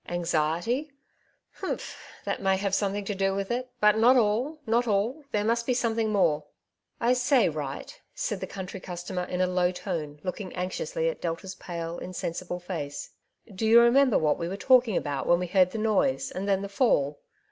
^'" Anxiety ? Humph ! that may have something to do with it, but not all, not all \ there must be some thing more.^' " I say, Wright !^^ said the country customer in a low tone, looking anxiously at Delta's pale insen sible face, '^ do you remember what we were talking about when we heard the noise, and then the fall